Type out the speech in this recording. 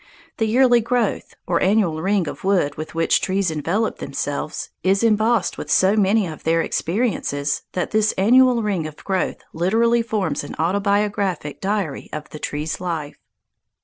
The yearly growth, or annual ring of wood with which trees envelop themselves, is embossed with so many of their experiences that this annual ring of growth literally forms an autobiographic diary of the tree's life.